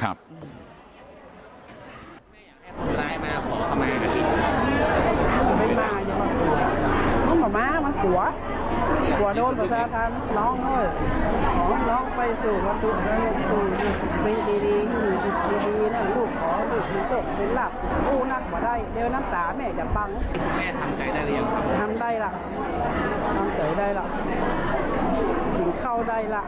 ทำได้ล่ะทำใจได้ล่ะถึงเข้าได้ล่ะ